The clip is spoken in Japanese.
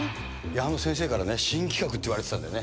あの先生からね、新企画って言われてたんだよね。